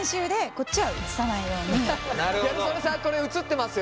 これ映ってますよ？